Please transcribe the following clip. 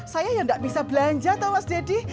saya yang enggak bisa belanja toh mas deddy